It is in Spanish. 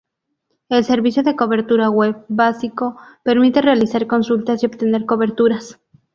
El servicio de cobertura web básico permite realizar consultas y obtener coberturas.